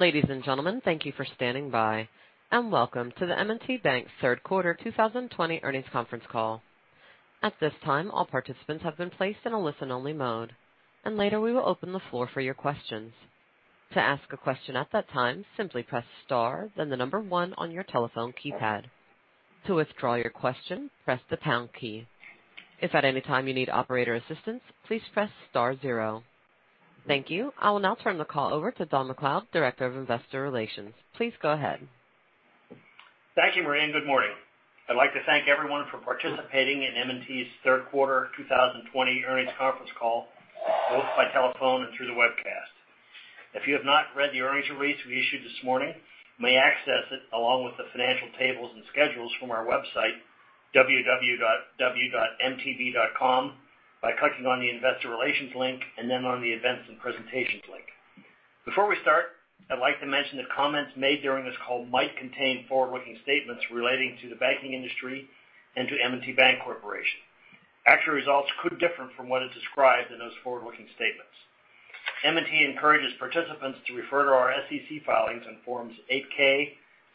Ladies and gentlemen, thank you for standing by, and Welcome to the M&T Bank third quarter 2020 earnings conference call. At this time, all participants have been placed in a listen-only mode, and later we will open the floor for your questions. To ask a question at that time, simply press star and the number one on your telephone keypad. To withdraw your question, please press pound key. If any time you need operator assistance, please press star zero. Thank you. I will now turn the call over to Don MacLeod, Director of Investor Relations. Please go ahead. Thank you, Marianne. Good morning. I'd like to thank everyone for participating in M&T's third quarter 2020 earnings conference call, both by telephone and through the webcast. If you have not read the earnings release we issued this morning, you may access it along with the financial tables and schedules from our website, www.mtb.com, by clicking on the Investor Relations link and then on the Events and Presentations link. Before we start, I'd like to mention that comments made during this call might contain forward-looking statements relating to the banking industry and to M&T Bank Corporation. Actual results could differ from what is described in those forward-looking statements. M&T encourages participants to refer to our SEC filings on Forms 8-K,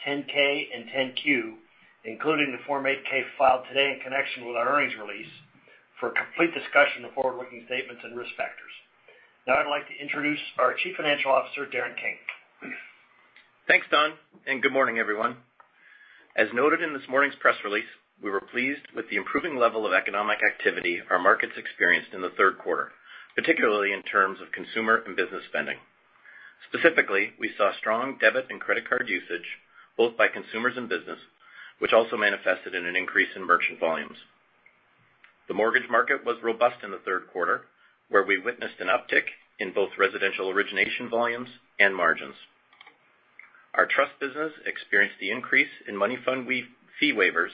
10-K, and 10-Q, including the Form 8-K filed today in connection with our earnings release for a complete discussion of forward-looking statements and risk factors. I'd like to introduce our Chief Financial Officer, Darren King. Thanks, Don, and good morning, everyone. As noted in this morning's press release, we were pleased with the improving level of economic activity our markets experienced in the third quarter, particularly in terms of consumer and business spending. Specifically, we saw strong debit and credit card usage both by consumers and business, which also manifested in an increase in merchant volumes. The mortgage market was robust in the third quarter, where we witnessed an uptick in both residential origination volumes and margins. Our trust business experienced the increase in money fund fee waivers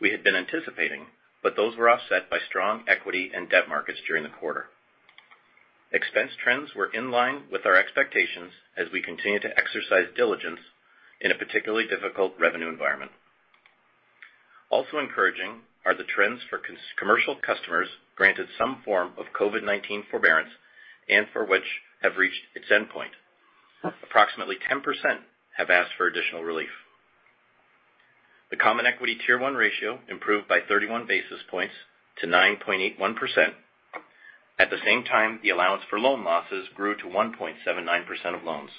we had been anticipating, but those were offset by strong equity and debt markets during the quarter. Expense trends were in line with our expectations as we continue to exercise diligence in a particularly difficult revenue environment. Also encouraging are the trends for commercial customers granted some form of COVID-19 forbearance and for which have reached its endpoint. Approximately 10% have asked for additional relief. The common equity Tier 1 ratio improved by 31 basis points to 9.81%. At the same time, the allowance for loan losses grew to 1.79% of loans,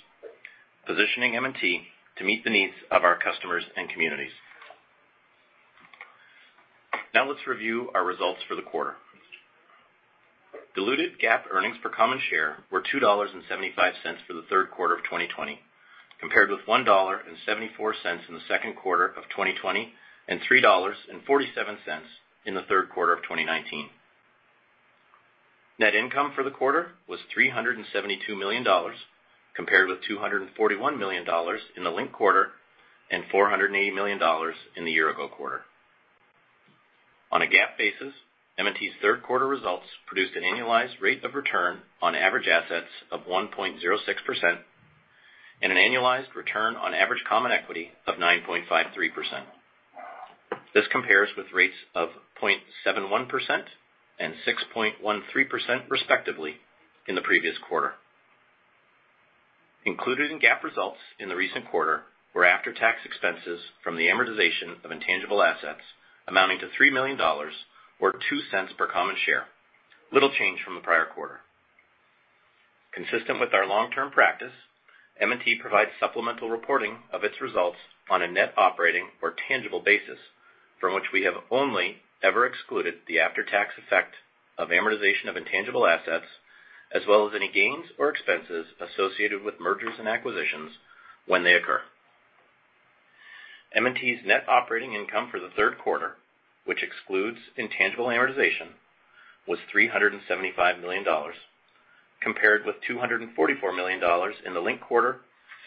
positioning M&T to meet the needs of our customers and communities. Let's review our results for the quarter. Diluted GAAP earnings per common share were $2.75 for the third quarter of 2020, compared with $1.74 in the second quarter of 2020 and $3.47 in the third quarter of 2019. Net income for the quarter was $372 million, compared with $241 million in the linked quarter and $480 million in the year-ago quarter. On a GAAP basis, M&T's third quarter results produced an annualized rate of return on average assets of 1.06% and an annualized return on average common equity of 9.53%. This compares with rates of 0.71% and 6.13%, respectively, in the previous quarter. Included in GAAP results in the recent quarter were after-tax expenses from the amortization of intangible assets amounting to $3 million, or $0.02 per common share, little change from the prior quarter. Consistent with our long-term practice, M&T provides supplemental reporting of its results on a net operating or tangible basis from which we have only ever excluded the after-tax effect of amortization of intangible assets, as well as any gains or expenses associated with mergers and acquisitions when they occur. M&T's net operating income for the third quarter, which excludes intangible amortization, was $375 million, compared with $244 million in the linked quarter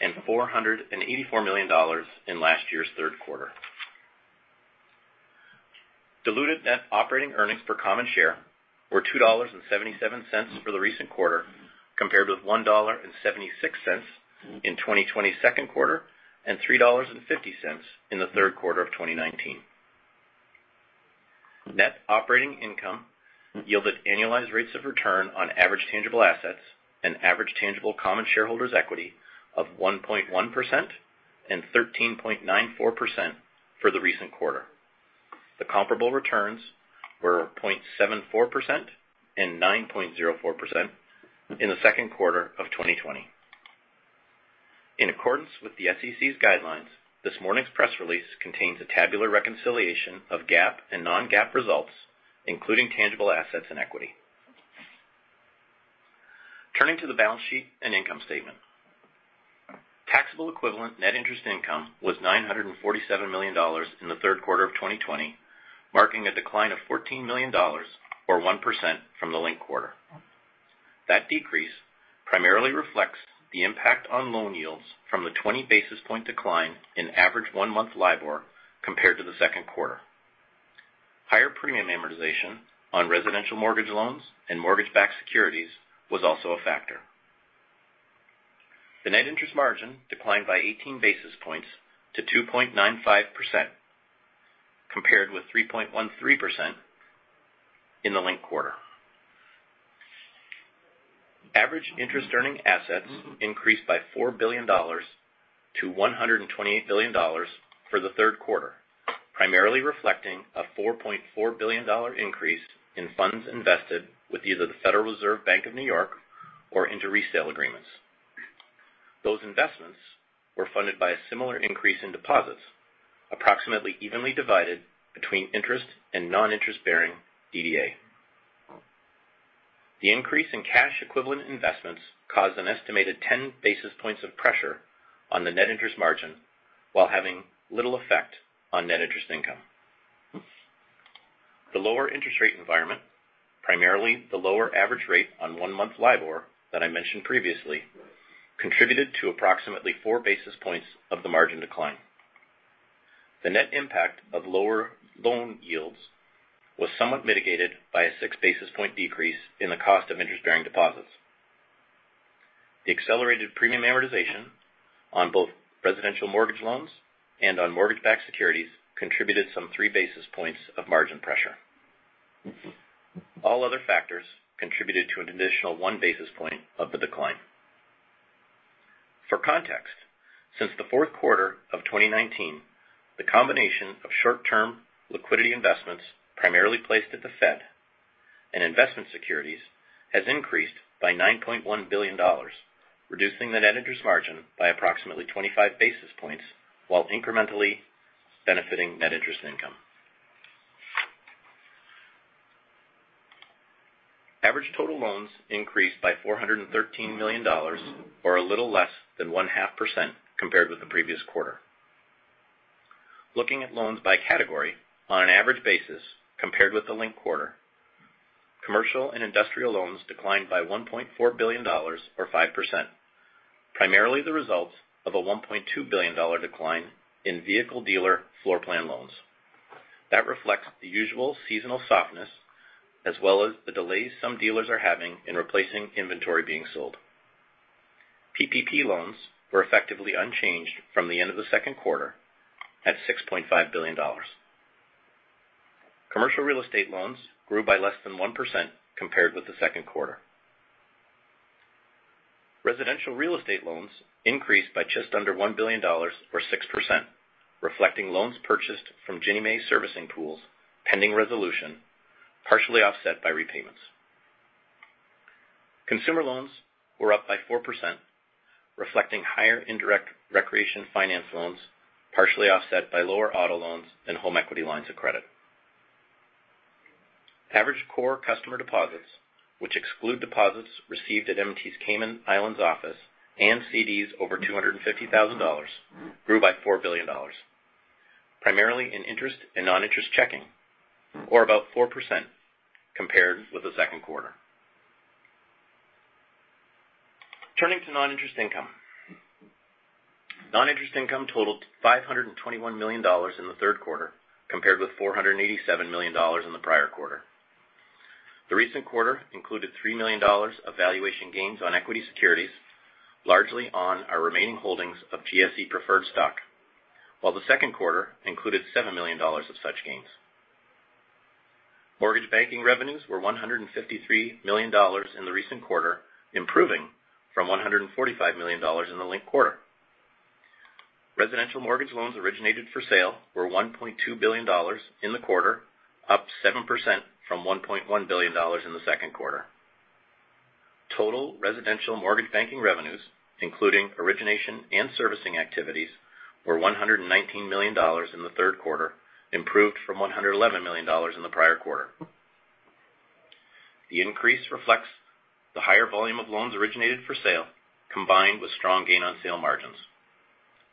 and $484 million in last year's third quarter. Diluted net operating earnings per common share were $2.77 for the recent quarter, compared with $1.76 in 2020 second quarter and $3.50 in the third quarter of 2019. Net operating income yielded annualized rates of return on average tangible assets and average tangible common shareholders' equity of 1.1% and 13.94% for the recent quarter. The comparable returns were 0.74% and 9.04% in the second quarter of 2020. In accordance with the SEC's guidelines, this morning's press release contains a tabular reconciliation of GAAP and non-GAAP results, including tangible assets and equity. Turning to the balance sheet and income statement. Taxable equivalent net interest income was $947 million in the third quarter of 2020, marking a decline of $14 million, or 1% from the linked quarter. That decrease primarily reflects the impact on loan yields from the 20 basis point decline in average one-month LIBOR compared to the second quarter. Higher premium amortization on residential mortgage loans and mortgage-backed securities was also a factor. The net interest margin declined by 18 basis points to 2.95% compared 3.13% in the linked quarter. Average interest earning assets increased by $4 billion to $128 billion for the third quarter, primarily reflecting a $4.4 billion increase in funds invested with either the Federal Reserve Bank of New York or into resale agreements. Those investments were funded by a similar increase in deposits, approximately evenly divided between interest and non-interest bearing DDA. The increase in cash equivalent investments caused an estimated 10 basis points of pressure on the net interest margin while having little effect on net interest income. The lower interest rate environment, primarily the lower average rate on one-month LIBOR that I mentioned previously, contributed to approximately four basis points of the margin decline. The net impact of lower loan yields was somewhat mitigated by a six basis point decrease in the cost of interest-bearing deposits. The accelerated premium amortization on both residential mortgage loans and on mortgage-backed securities contributed some three basis points of margin pressure. All other factors contributed to an additional one basis point of the decline. For context, since the fourth quarter of 2019, the combination of short-term liquidity investments primarily placed at the Fed and investment securities has increased by $9.1 billion, reducing the net interest margin by approximately 25 basis points while incrementally benefiting net interest income. Average total loans increased by $413 million or a little less than one-half percent compared with the previous quarter. Looking at loans by category on an average basis compared with the linked quarter, commercial and industrial loans declined by $1.4 billion or 5%, primarily the results of a $1.2 billion decline in vehicle dealer floor plan loans. That reflects the usual seasonal softness, as well as the delays some dealers are having in replacing inventory being sold. PPP loans were effectively unchanged from the end of the second quarter at $6.5 billion. Commercial real estate loans grew by less than 1% compared with the second quarter. Residential real estate loans increased by just under $1 billion or 6%, reflecting loans purchased from Ginnie Mae servicing pools pending resolution, partially offset by repayments. Consumer loans were up by 4%, reflecting higher indirect recreation finance loans, partially offset by lower auto loans and home equity lines of credit. Average core customer deposits, which exclude deposits received at M&T's Cayman Islands office and CDs over $250,000, grew by $4 billion, primarily in interest and non-interest checking, or about 4% compared with the second quarter. Turning to non-interest income. Non-interest income totaled $521 million in the third quarter, compared with $487 million in the prior quarter. The recent quarter included $3 million of valuation gains on equity securities, largely on our remaining holdings of GSE preferred stock, while the second quarter included $7 million of such gains. Mortgage banking revenues were $153 million in the recent quarter, improving from $145 million in the linked quarter. Residential mortgage loans originated for sale were $1.2 billion in the quarter, up 7% from $1.1 billion in the second quarter. Total residential mortgage banking revenues, including origination and servicing activities, were $119 million in the third quarter, improved from $111 million in the prior quarter. The increase reflects the higher volume of loans originated for sale, combined with strong gain on sale margins.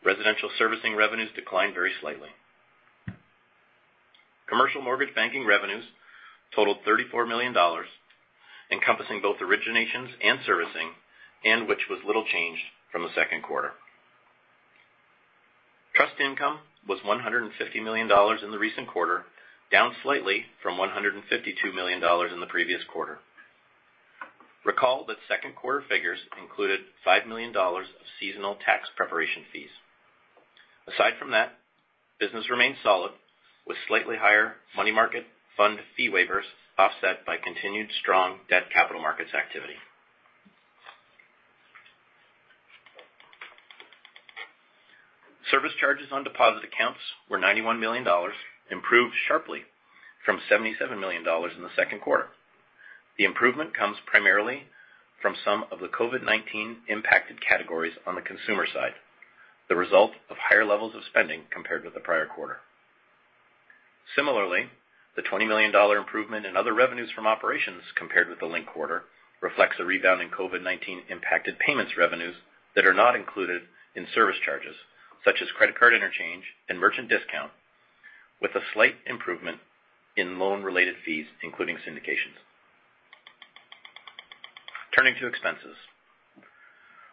Residential servicing revenues declined very slightly. Commercial mortgage banking revenues totaled $34 million, encompassing both originations and servicing, and which was little changed from the second quarter. Trust income was $150 million in the recent quarter, down slightly from $152 million in the previous quarter. Recall that second quarter figures included $5 million of seasonal tax preparation fees. Aside from that, business remained solid with slightly higher money market fund fee waivers offset by continued strong debt capital markets activity. Service charges on deposit accounts were $91 million, improved sharply from $77 million in the second quarter. The improvement comes primarily from some of the COVID-19 impacted categories on the consumer side, the result of higher levels of spending compared with the prior quarter. Similarly, the $20 million improvement in other revenues from operations compared with the linked quarter reflects a rebound in COVID-19 impacted payments revenues that are not included in service charges such as credit card interchange and merchant discount, with a slight improvement in loan-related fees, including syndications. Turning to expenses.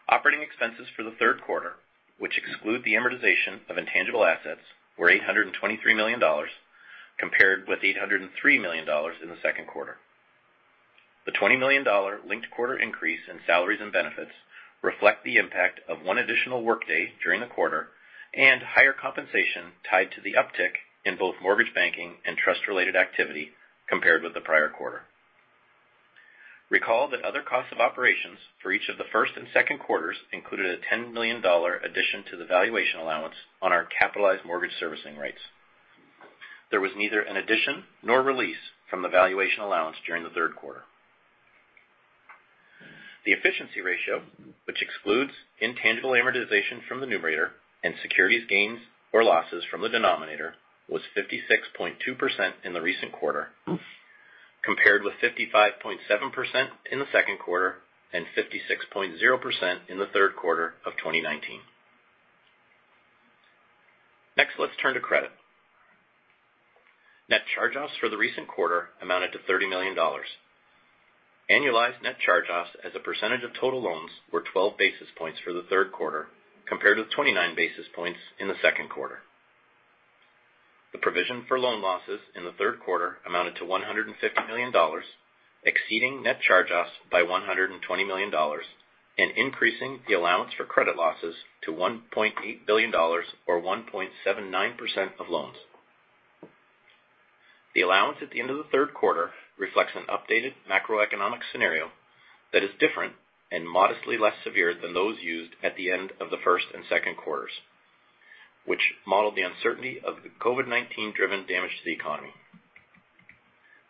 Operating expenses for the third quarter, which exclude the amortization of intangible assets, were $823 million compared with $803 million in the second quarter. The $20 million linked quarter increase in salaries and benefits reflect the impact of one additional workday during the quarter and higher compensation tied to the uptick in both mortgage banking and trust-related activity compared with the prior quarter. Recall that other costs of operations for each of the first and second quarters included a $10 million addition to the valuation allowance on our capitalized mortgage servicing rights. There was neither an addition nor release from the valuation allowance during the third quarter. The efficiency ratio, which excludes intangible amortization from the numerator and securities gains or losses from the denominator, was 56.2% in the recent quarter, compared with 55.7% in the second quarter and 56.0% in the third quarter of 2019. Next, let's turn to credit. Net charge-offs for the recent quarter amounted to $30 million. Annualized net charge-offs as a percentage of total loans were 12 basis points for the third quarter, compared with 29 basis points in the second quarter. The provision for loan losses in the third quarter amounted to $150 million, exceeding net charge-offs by $120 million, and increasing the allowance for credit losses to $1.8 billion, or 1.79% of loans. The allowance at the end of the third quarter reflects an updated macroeconomic scenario that is different and modestly less severe than those used at the end of the first and second quarters, which modeled the uncertainty of the COVID-19 driven damage to the economy.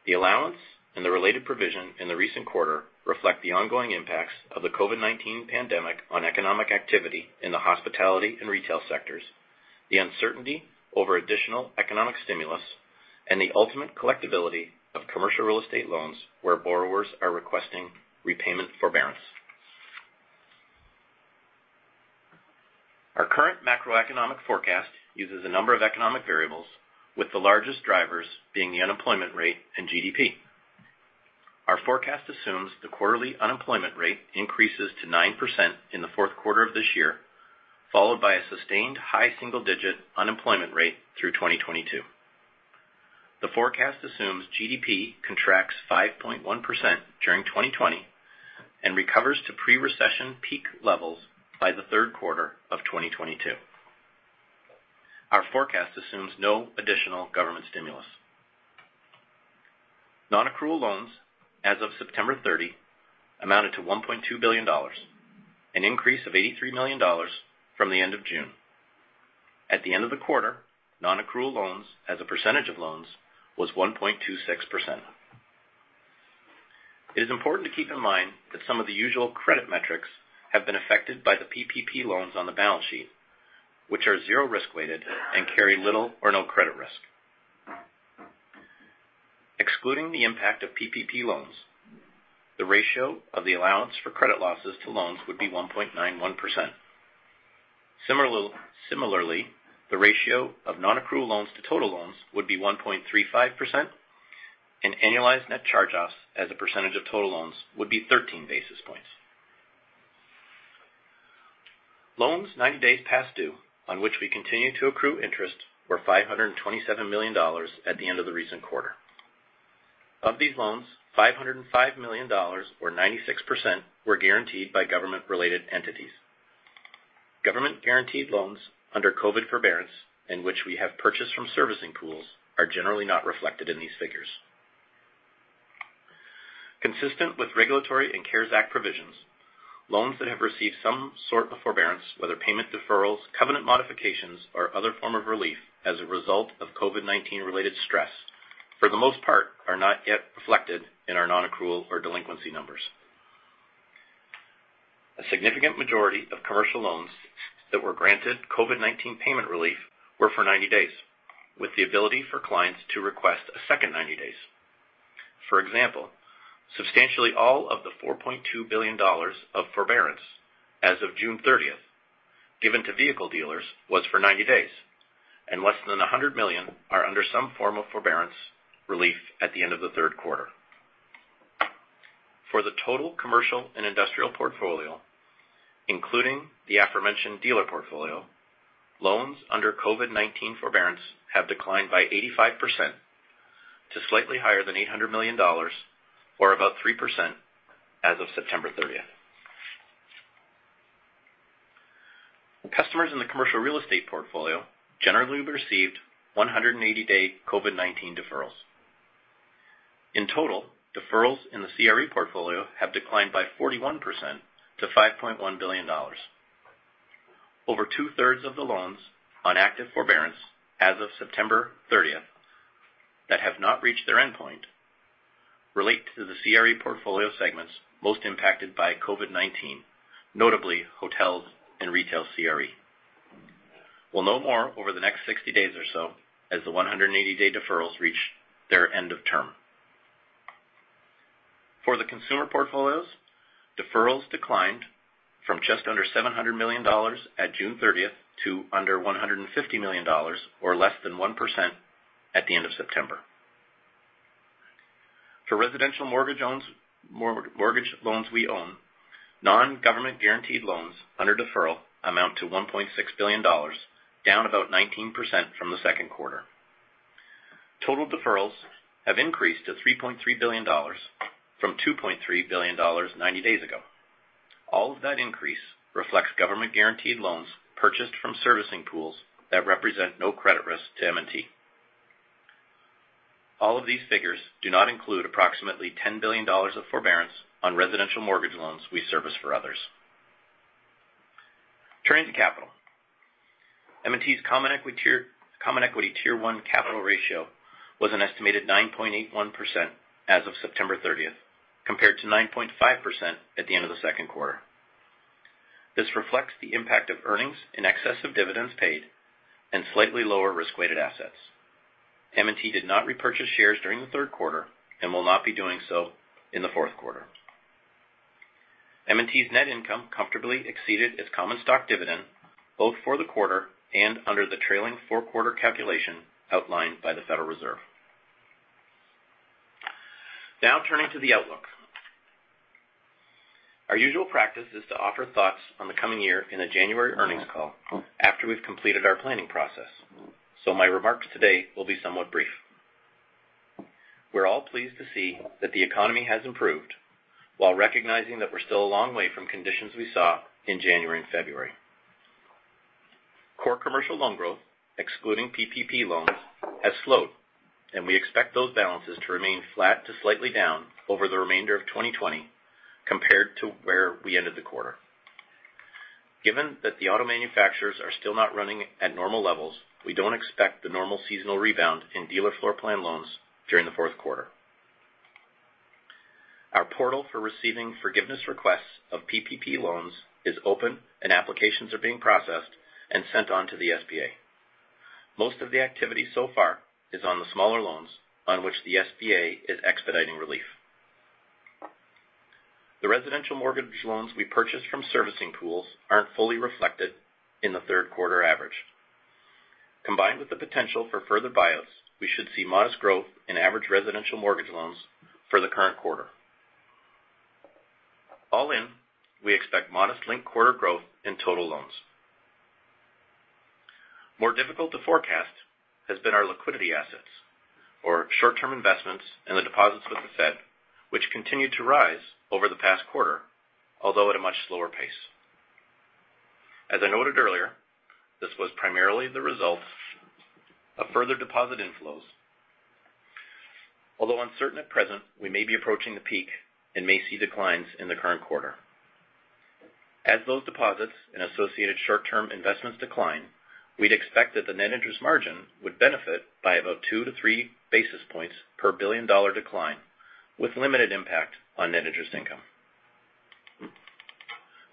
The allowance and the related provision in the recent quarter reflect the ongoing impacts of the COVID-19 pandemic on economic activity in the hospitality and retail sectors, the uncertainty over additional economic stimulus, and the ultimate collectibility of commercial real estate loans where borrowers are requesting repayment forbearance. Our current macroeconomic forecast uses a number of economic variables, with the largest drivers being the unemployment rate and GDP. Our forecast assumes the quarterly unemployment rate increases to 9% in the fourth quarter of this year, followed by a sustained high single-digit unemployment rate through 2022. The forecast assumes GDP contracts 5.1% during 2020 and recovers to pre-recession peak levels by the third quarter of 2022. Our forecast assumes no additional government stimulus. Non-accrual loans as of September 30 amounted to $1.2 billion, an increase of $83 million from the end of June. At the end of the quarter, non-accrual loans as a percentage of loans was 1.26%. It is important to keep in mind that some of the usual credit metrics have been affected by the PPP loans on the balance sheet, which are zero risk-weighted and carry little or no credit risk. Excluding the impact of PPP loans, the ratio of the allowance for credit losses to loans would be 1.91%. Similarly, the ratio of non-accrual loans to total loans would be 1.35%, and annualized net charge-offs as a percentage of total loans would be 13 basis points. Loans 90 days past due, on which we continue to accrue interest, were $527 million at the end of the recent quarter. Of these loans, $505 million or 96% were guaranteed by government-related entities. Government-guaranteed loans under COVID forbearance in which we have purchased from servicing pools are generally not reflected in these figures. Consistent with regulatory and CARES Act provisions, loans that have received some sort of forbearance, whether payment deferrals, covenant modifications, or other form of relief as a result of COVID-19 related stress, for the most part, are not yet reflected in our non-accrual or delinquency numbers. A significant majority of commercial loans that were granted COVID-19 payment relief were for 90 days, with the ability for clients to request a second 90 days. For example, substantially all of the $4.2 billion of forbearance as of June 30th given to vehicle dealers was for 90 days, and less than $100 million are under some form of forbearance relief at the end of the third quarter. For the total commercial and industrial portfolio, including the aforementioned dealer portfolio, loans under COVID-19 forbearance have declined by 85% to slightly higher than $800 million, or about 3% as of September 30th. Customers in the commercial real estate portfolio generally received 180-day COVID-19 deferrals. In total, deferrals in the CRE portfolio have declined by 41% to $5.1 billion. Over two-thirds of the loans on active forbearance as of September 30th that have not reached their endpoint relate to the CRE portfolio segments most impacted by COVID-19, notably hotels and retail CRE. We'll know more over the next 60 days or so as the 180-day deferrals reach their end of term. For the consumer portfolios, deferrals declined from just under $700 million at June 30th to under $150 million, or less than 1% at the end of September. For residential mortgage loans we own, non-government guaranteed loans under deferral amount to $1.6 billion, down about 19% from the second quarter. Total deferrals have increased to $3.3 billion from $2.3 billion 90 days ago. All of that increase reflects government-guaranteed loans purchased from servicing pools that represent no credit risk to M&T. All of these figures do not include approximately $10 billion of forbearance on residential mortgage loans we service for others. Turning to capital. M&T's Common Equity Tier 1 capital ratio was an estimated 9.81% as of September 30th, compared to 9.5% at the end of the second quarter. This reflects the impact of earnings in excess of dividends paid and slightly lower risk-weighted assets. M&T did not repurchase shares during the third quarter and will not be doing so in the fourth quarter. M&T's net income comfortably exceeded its common stock dividend both for the quarter and under the trailing four-quarter calculation outlined by the Federal Reserve. Turning to the outlook. Our usual practice is to offer thoughts on the coming year in a January earnings call after we've completed our planning process. My remarks today will be somewhat brief. We're all pleased to see that the economy has improved while recognizing that we're still a long way from conditions we saw in January and February. Core commercial loan growth, excluding PPP loans, has slowed, and we expect those balances to remain flat to slightly down over the remainder of 2020 compared to where we ended the quarter. Given that the auto manufacturers are still not running at normal levels, we don't expect the normal seasonal rebound in dealer floor plan loans during the fourth quarter. Our portal for receiving forgiveness requests of PPP loans is open, and applications are being processed and sent on to the SBA. Most of the activity so far is on the smaller loans on which the SBA is expediting relief. The residential mortgage loans we purchased from servicing pools aren't fully reflected in the third-quarter average. Combined with the potential for further buyouts, we should see modest growth in average residential mortgage loans for the current quarter. All in, we expect modest linked-quarter growth in total loans. More difficult to forecast has been our liquidity assets or short-term investments and the deposits with the Fed, which continued to rise over the past quarter, although at a much slower pace. As I noted earlier, this was primarily the result of further deposit inflows. Although uncertain at present, we may be approaching the peak and may see declines in the current quarter. As those deposits and associated short-term investments decline, we'd expect that the net interest margin would benefit by about 2-3 basis points per billion-dollar decline, with limited impact on net interest income.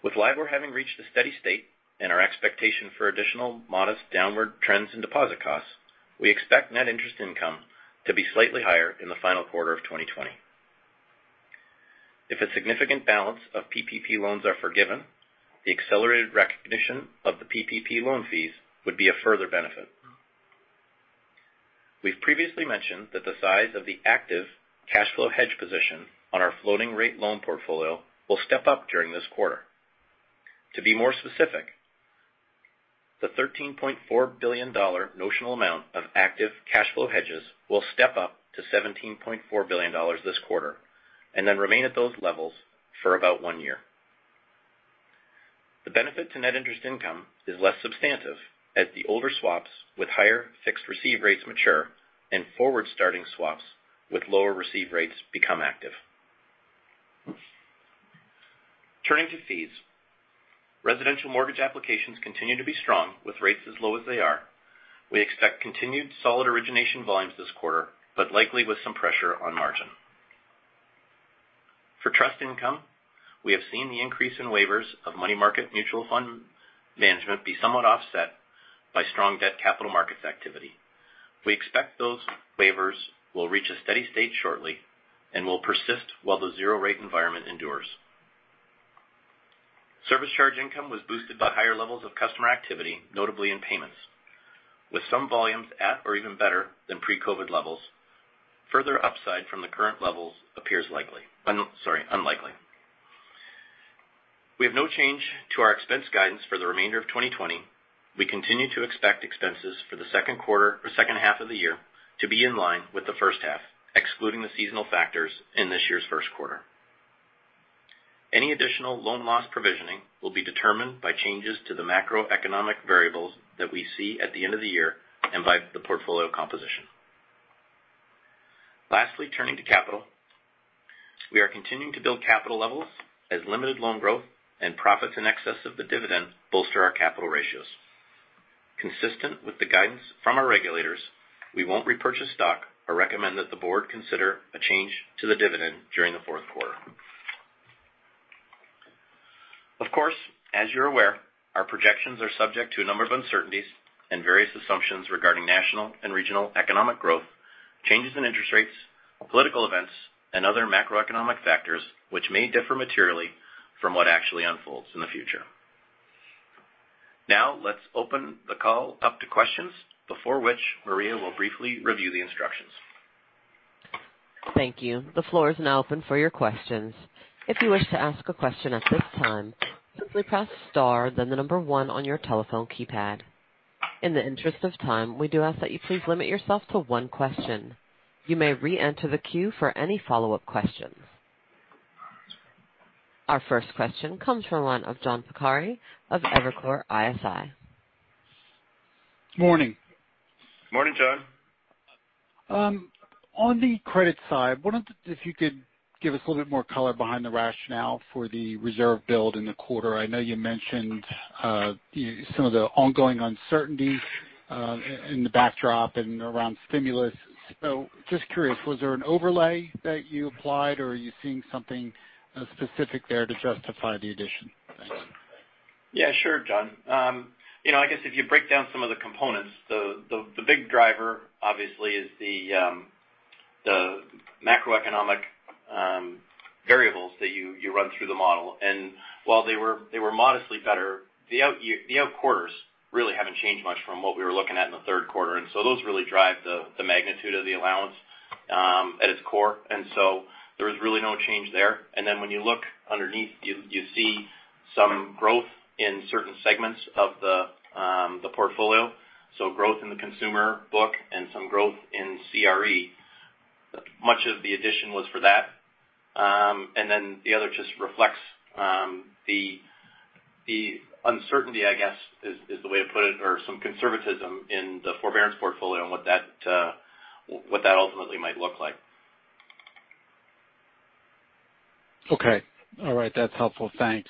With LIBOR having reached a steady state and our expectation for additional modest downward trends in deposit costs, we expect net interest income to be slightly higher in the final quarter of 2020. If a significant balance of PPP loans are forgiven, the accelerated recognition of the PPP loan fees would be a further benefit. We've previously mentioned that the size of the active cash flow hedge position on our floating-rate loan portfolio will step up during this quarter. To be more specific, the $13.4 billion notional amount of active cash flow hedges will step up to $17.4 billion this quarter and then remain at those levels for about one year. The benefit to net interest income is less substantive as the older swaps with higher fixed receive rates mature and forward-starting swaps with lower receive rates become active. Turning to fees. Residential mortgage applications continue to be strong with rates as low as they are. We expect continued solid origination volumes this quarter, but likely with some pressure on margin. For trust income, we have seen the increase in waivers of money market mutual fund management be somewhat offset by strong debt capital markets activity. We expect those waivers will reach a steady state shortly and will persist while the zero rate environment endures. Service charge income was boosted by higher levels of customer activity, notably in payments. With some volumes at or even better than pre-COVID levels, further upside from the current levels appears unlikely. We have no change to our expense guidance for the remainder of 2020. We continue to expect expenses for the second half of the year to be in line with the first half, excluding the seasonal factors in this year's first quarter. Any additional loan loss provisioning will be determined by changes to the macroeconomic variables that we see at the end of the year and by the portfolio composition. Lastly, turning to capital. We are continuing to build capital levels as limited loan growth and profits in excess of the dividend bolster our capital ratios. Consistent with the guidance from our regulators, we won't repurchase stock or recommend that the board consider a change to the dividend during the fourth quarter. Of course, as you're aware, our projections are subject to a number of uncertainties and various assumptions regarding national and regional economic growth, changes in interest rates, political events, and other macroeconomic factors, which may differ materially from what actually unfolds in the future. Now let's open the call up to questions, before which Maria will briefly review the instructions. Thank you. The floor is now open for your questions. If you wish to ask a question at this time, simply press star then the number one on your telephone keypad. In the interest of time, we do ask that you please limit yourself to one question. You may reenter the queue for any follow-up questions. Our first question comes from the line of John Pancari of Evercore ISI. Morning. Morning, John. On the credit side, wondered if you could give us a little bit more color behind the rationale for the reserve build in the quarter. I know you mentioned some of the ongoing uncertainty in the backdrop and around stimulus. Just curious, was there an overlay that you applied or are you seeing something specific there to justify the addition? Thanks. Yeah, sure, John. I guess if you break down some of the components, the big driver obviously is the macroeconomic variables that you run through the model. While they were modestly better, the out quarters really haven't changed much from what we were looking at in the third quarter. Those really drive the magnitude of the allowance at its core. There was really no change there. When you look underneath, you see some growth in certain segments of the portfolio. Growth in the consumer book and some growth in CRE. Much of the addition was for that. The other just reflects the uncertainty, I guess is the way to put it, or some conservatism in the forbearance portfolio and what that ultimately might look like. Okay. All right. That's helpful. Thanks.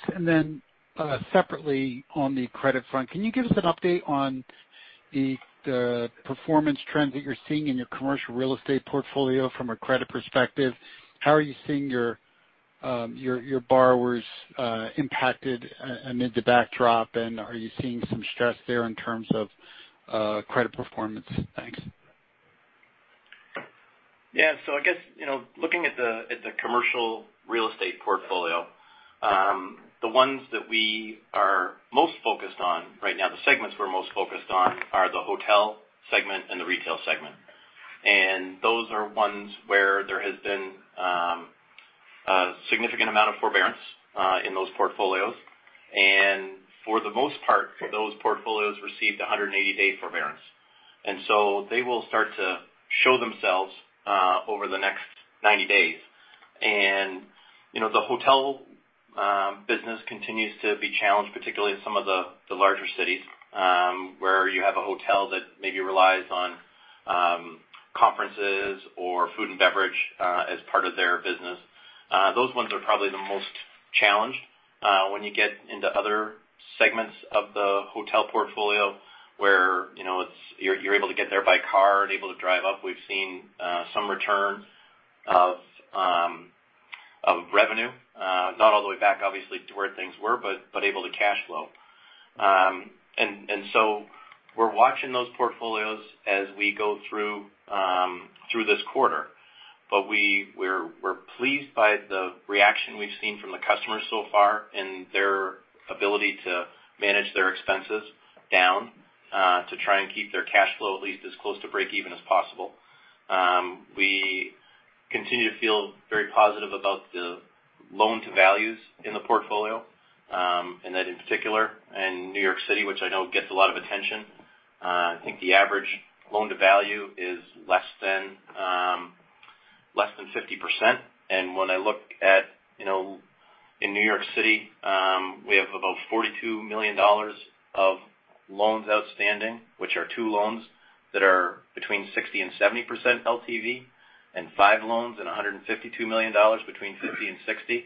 Separately on the credit front, can you give us an update on the performance trends that you're seeing in your commercial real estate portfolio from a credit perspective? How are you seeing your borrowers impacted amid the backdrop, and are you seeing some stress there in terms of credit performance? Thanks. I guess, looking at the commercial real estate portfolio, the ones that we are most focused on right now, the segments we're most focused on are the hotel segment and the retail segment. Those are ones where there has been a significant amount of forbearance in those portfolios. For the most part, those portfolios received 180-day forbearance. They will start to show themselves over the next 90 days. The hotel business continues to be challenged, particularly in some of the larger cities, where you have a hotel that maybe relies on conferences or food and beverage as part of their business. Those ones are probably the most challenged. When you get into other segments of the hotel portfolio where you're able to get there by car and able to drive up, we've seen some return of revenue. Not all the way back, obviously, to where things were, but able to cash flow. We're watching those portfolios as we go through this quarter. We're pleased by the reaction we've seen from the customers so far and their ability to manage their expenses down, to try and keep their cash flow at least as close to breakeven as possible. We continue to feel very positive about the loan to values in the portfolio, and that in particular in New York City, which I know gets a lot of attention. I think the average loan to value is less than 50%. When I look at in New York City, we have about $42 million of loans outstanding, which are two loans that are between 60% and 70% LTV, and five loans and $152 million between 50% and 60%.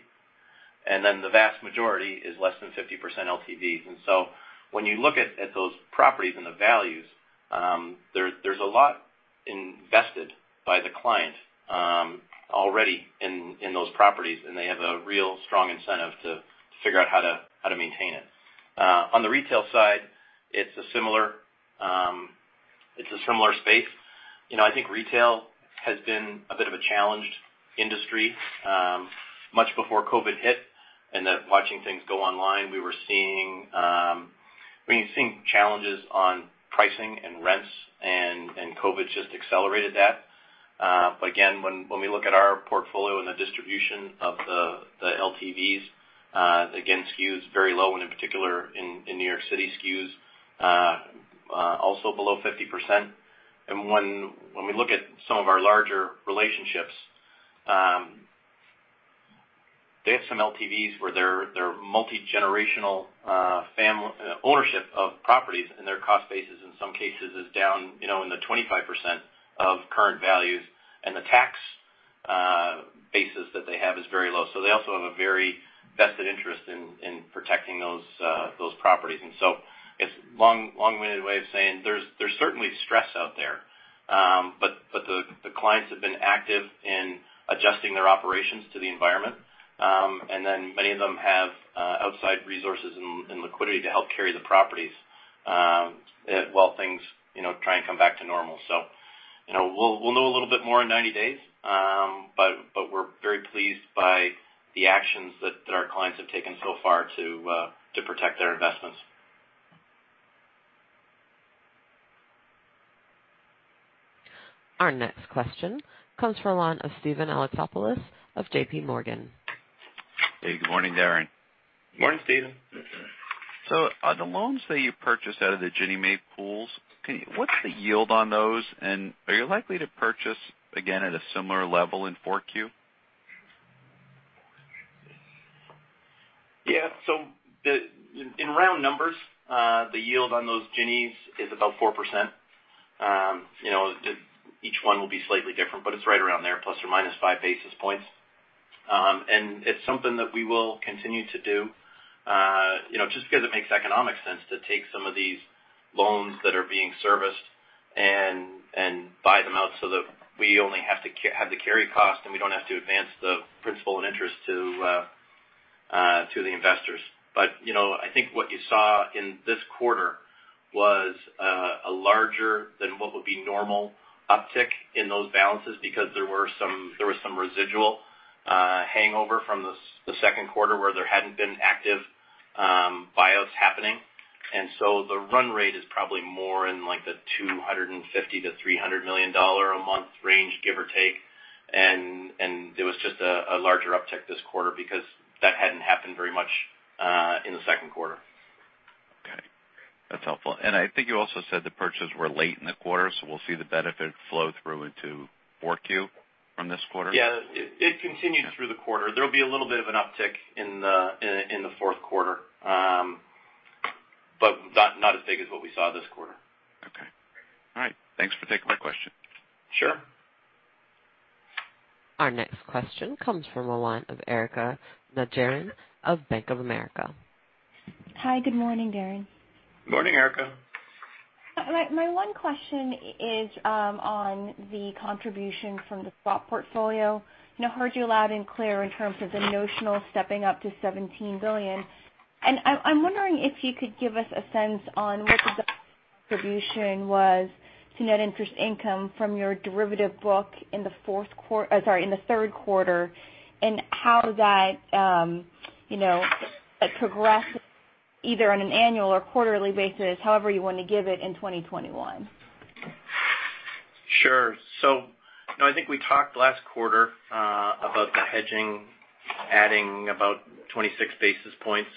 Then the vast majority is less than 50% LTV. So when you look at those properties and the values, there's a lot invested by the client already in those properties, and they have a real strong incentive to figure out how to maintain it. On the retail side, it's a similar space. I think retail has been a bit of a challenged industry, much before COVID hit and that watching things go online, we were seeing challenges on pricing and rents, and COVID just accelerated that. Again, when we look at our portfolio and the distribution of the LTVs, again, skews very low, and in particular in New York City skews also below 50%. When we look at some of our larger relationships, they have some LTVs where they're multi-generational ownership of properties, and their cost basis in some cases is down in the 25% of current values. The tax basis that they have is very low. They also have a very vested interest in protecting those properties. It's long-winded way of saying there's certainly stress out there. The clients have been active in adjusting their operations to the environment. Many of them have outside resources and liquidity to help carry the properties while things try and come back to normal. We'll know a little bit more in 90 days. We're very pleased by the actions that our clients have taken so far to protect their investments. Our next question comes from the line of Steven Alexopoulos of JPMorgan. Hey, good morning, Darren. Morning, Steven. The loans that you purchased out of the Ginnie Mae pools, what's the yield on those? Are you likely to purchase again at a similar level in 4Q? Yeah. In round numbers, the yield on those Ginnies is about 4%. Each one will be slightly different, but it's right around there, ±5 basis points. It's something that we will continue to do, just because it makes economic sense to take some of these loans that are being serviced and buy them out so that we only have the carry cost, and we don't have to advance the principal and interest to the investors. I think what you saw in this quarter was a larger than what would be normal uptick in those balances because there was some residual hangover from the second quarter where there hadn't been active buyouts happening. The run rate is probably more in like the $250 million-$300 million a month range, give or take. There was just a larger uptick this quarter because that hadn't happened very much in the second quarter. Okay. That's helpful. I think you also said the purchases were late in the quarter, so we'll see the benefit flow through into 4Q from this quarter? Yeah. It continued through the quarter. There'll be a little bit of an uptick in the fourth quarter. Not as big as what we saw this quarter. Okay. All right. Thanks for taking my question. Sure. Our next question comes from the line of Erika Najarian of Bank of America. Hi, good morning, Darren. Morning, Erika. My one question is on the contribution from the swap portfolio. I heard you loud and clear in terms of the notional stepping up to $17 billion. I'm wondering if you could give us a sense on what the distribution was to net interest income from your derivative book in the third quarter, and how that progresses either on an annual or quarterly basis, however you want to give it, in 2021. Sure. I think we talked last quarter about the hedging adding about 26 basis points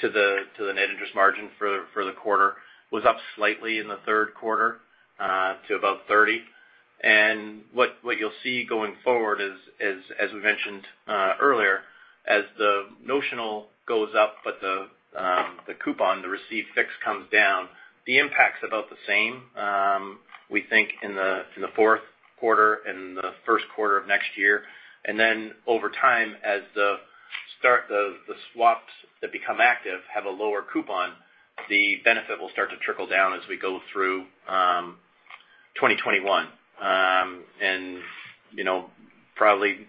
to the net interest margin for the quarter. Was up slightly in the third quarter to about 30. What you'll see going forward, as we mentioned earlier, as the notional goes up, but the coupon, the received fix comes down, the impact's about the same. We think in the fourth quarter and the first quarter of next year. Over time, as the swaps that become active have a lower coupon, the benefit will start to trickle down as we go through 2021. Probably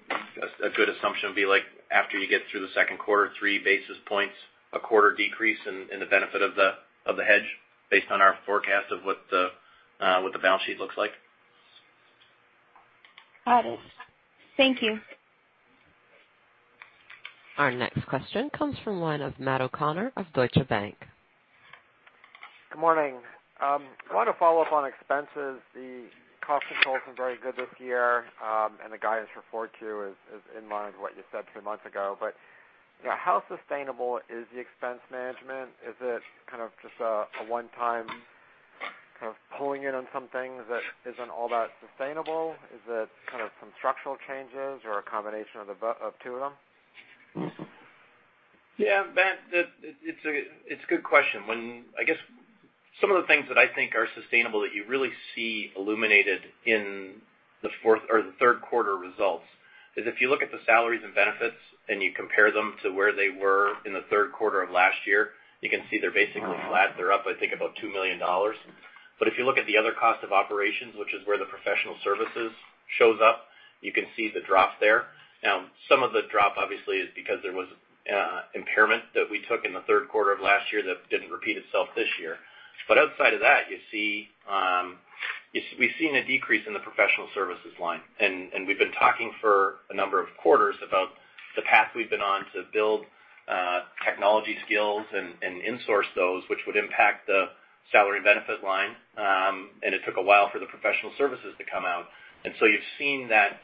a good assumption would be after you get through the second quarter, three basis points a quarter decrease in the benefit of the hedge based on our forecast of what the balance sheet looks like. Got it. Thank you. Our next question comes from the line of Matt O'Connor of Deutsche Bank. Good morning. I want to follow up on expenses. The cost controls have been very good this year. The guidance for 4Q is in line with what you said three months ago. How sustainable is the expense management? Is it kind of just a one-time pulling in on some things that isn't all that sustainable? Is it kind of some structural changes or a combination of two of them? Yeah, Matt. It's a good question. I guess some of the things that I think are sustainable that you really see illuminated in the third quarter results is if you look at the salaries and benefits and you compare them to where they were in the third quarter of last year, you can see they're basically flat. They're up, I think, about $2 million. If you look at the other cost of operations, which is where the professional services shows up, you can see the drop there. Now, some of the drop obviously is because there was impairment that we took in the third quarter of last year that didn't repeat itself this year. Outside of that, we've seen a decrease in the professional services line. We've been talking for a number of quarters about the path we've been on to build technology skills and insource those, which would impact the salary and benefit line. It took a while for the professional services to come out. You've seen that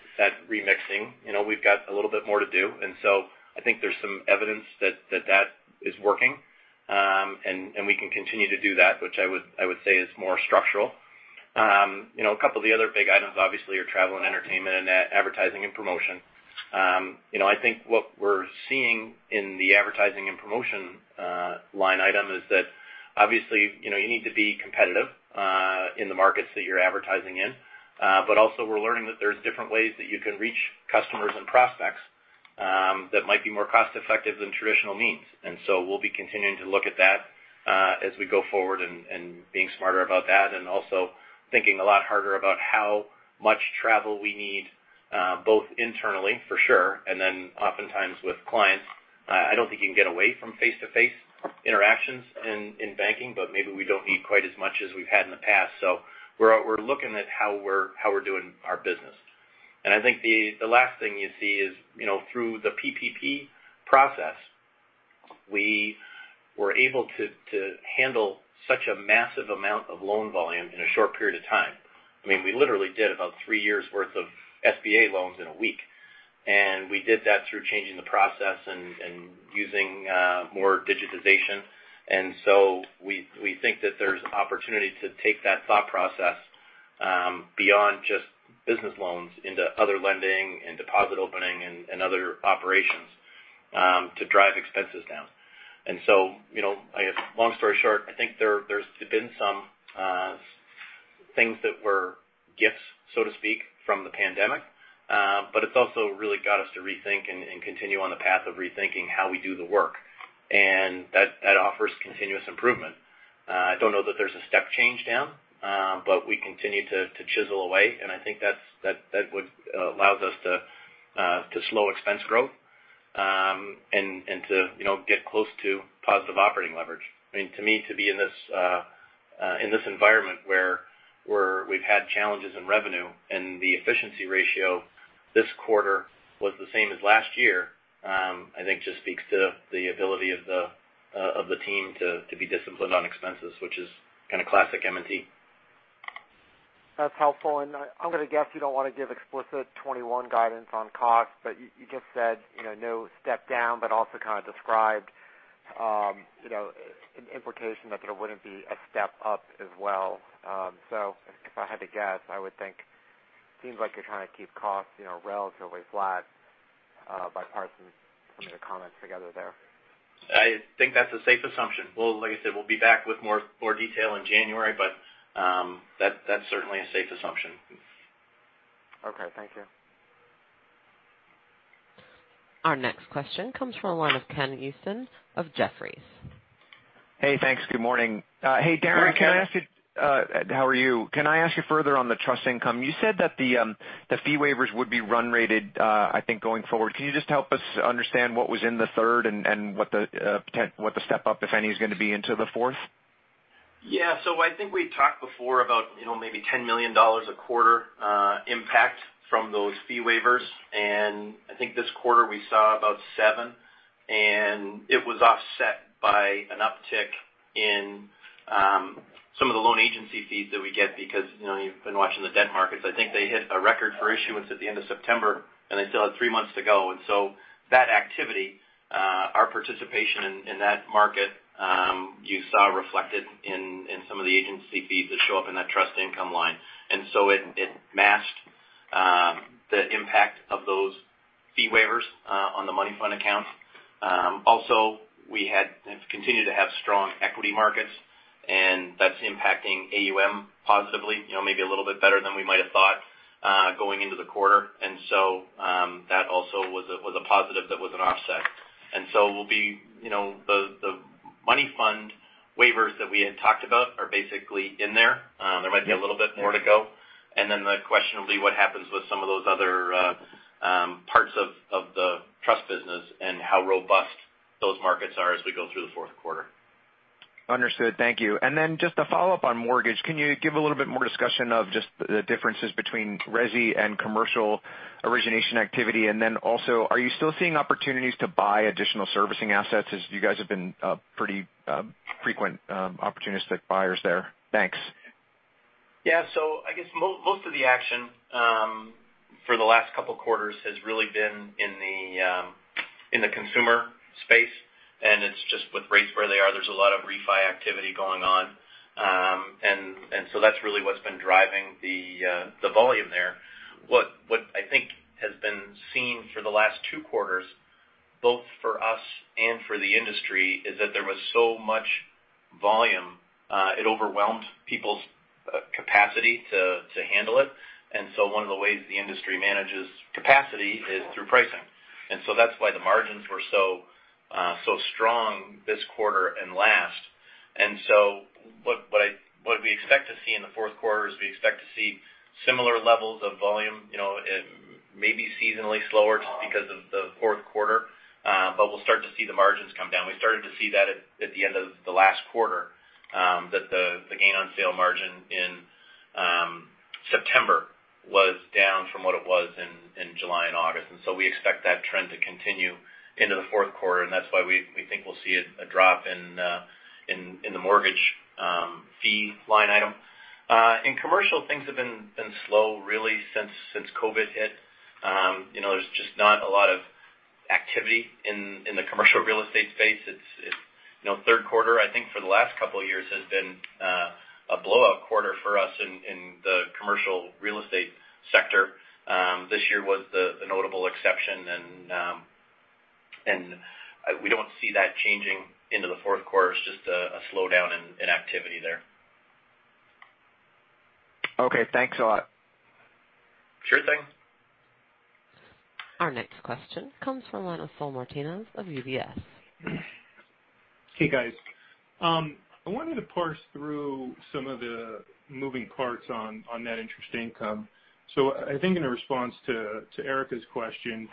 remixing. We've got a little bit more to do. I think there's some evidence that is working. We can continue to do that, which I would say is more structural. A couple of the other big items obviously are travel and entertainment and advertising and promotion. I think what we're seeing in the advertising and promotion line item is that obviously, you need to be competitive in the markets that you're advertising in. Also, we're learning that there's different ways that you can reach customers and prospects that might be more cost-effective than traditional means. We'll be continuing to look at that as we go forward and being smarter about that, and also thinking a lot harder about how much travel we need both internally, for sure, and then oftentimes with clients. I don't think you can get away from face-to-face interactions in banking, but maybe we don't need quite as much as we've had in the past. We're looking at how we're doing our business. I think the last thing you see is through the PPP process. We were able to handle such a massive amount of loan volume in a short period of time. We literally did about three years' worth of SBA loans in a week, and we did that through changing the process and using more digitization. We think that there's opportunity to take that thought process beyond just business loans into other lending and deposit opening and other operations to drive expenses down. I guess long story short, I think there's been some things that were gifts, so to speak, from the pandemic. It's also really got us to rethink and continue on the path of rethinking how we do the work. That offers continuous improvement. I don't know that there's a step change down, but we continue to chisel away, and I think that allows us to slow expense growth, and to get close to positive operating leverage. To me, to be in this environment where we've had challenges in revenue, and the efficiency ratio this quarter was the same as last year, I think just speaks to the ability of the team to be disciplined on expenses, which is kind of classic M&T. That's helpful. I'm going to guess you don't want to give explicit 2021 guidance on cost, but you just said, no step down, but also kind of described an implication that there wouldn't be a step up as well. If I had to guess, I would think it seems like you're trying to keep costs relatively flat by parsing some of the comments together there. I think that's a safe assumption. Well, like I said, we'll be back with more detail in January, but that's certainly a safe assumption. Okay. Thank you. Our next question comes from the line of Ken Usdin of Jefferies. Hey, thanks. Good morning. Hey, Darren. Hey, Ken. How are you? Can I ask you further on the trust income? You said that the fee waivers would be run rated I think going forward. Can you just help us understand what was in the third and what the step up, if any, is going to be into the fourth? I think we talked before about maybe $10 million a quarter impact from those fee waivers. I think this quarter we saw about $7 million. It was offset by an uptick in some of the loan agency fees that we get because you've been watching the debt markets. I think they hit a record for issuance at the end of September, and they still had three months to go. That activity, our participation in that market you saw reflected in some of the agency fees that show up in that trust income line. It masked the impact of those fee waivers on the money fund accounts. We continue to have strong equity markets, and that's impacting AUM positively, maybe a little bit better than we might have thought going into the quarter. That also was a positive that was an offset. The money fund waivers that we had talked about are basically in there. There might be a little bit more to go. The question will be what happens with some of those other parts of the trust business and how robust those markets are as we go through the fourth quarter. Understood. Thank you. Just a follow up on mortgage. Can you give a little bit more discussion of just the differences between resi and commercial origination activity? Also, are you still seeing opportunities to buy additional servicing assets as you guys have been pretty frequent opportunistic buyers there? Thanks. I guess most of the action for the last couple of quarters has really been in the consumer space, and it's just with rates where they are. There's a lot of refi activity going on. That's really what's been driving the volume there. What I think has been seen for the last two quarters, both for us and for the industry, is that there was so much volume it overwhelmed people's capacity to handle it. One of the ways the industry manages capacity is through pricing. That's why the margins were so strong this quarter and last. What we expect to see in the fourth quarter is we expect to see similar levels of volume, maybe seasonally slower just because of the fourth quarter. We'll start to see the margins come down. We started to see that at the end of the last quarter that the gain on sale margin in September was down from what it was in July and August. We expect that trend to continue into the fourth quarter, and that's why we think we'll see a drop in the mortgage fee line item. In commercial, things have been slow really since COVID hit. There's just not a lot of activity in the commercial real estate space. Third quarter, I think for the last couple of years, has been a blowout quarter for us in the commercial real estate sector. This year was the notable exception, and we don't see that changing into the fourth quarter. It's just a slowdown in activity there. Okay, thanks a lot. Sure thing. Our next question comes from the line of Saul Martinez of UBS. Hey, guys. I wanted to parse through some of the moving parts on that interest income. I think in a response to Erika's question,